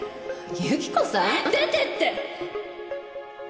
由紀子さん？出ていって！